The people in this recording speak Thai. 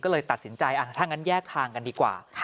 ก็เลยตัดสินใจถ้างั้นแยกทางกันดีกว่า